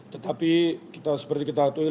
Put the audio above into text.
tetapi seperti kita katakan